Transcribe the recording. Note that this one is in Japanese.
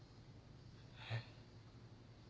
えっ。